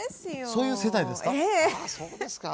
そういう世代ですか？